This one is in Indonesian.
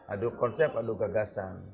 aduh konsep aduh gagasan